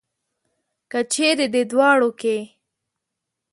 که چېرې دې دواړو کې.